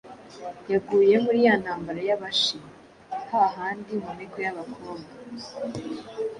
yaguye muri ya ntambara y'Abashi, ha handi Mu Miko y'Abakobwa,